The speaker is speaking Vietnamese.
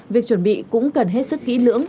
việc chuẩn bị cũng cần hết sức kỹ lưỡng